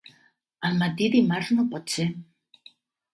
Al matí dimarts no pot ser.